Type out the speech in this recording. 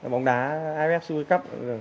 bóng đá iff super cup